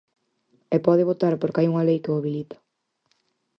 E pode votar porque hai unha lei que o habilita.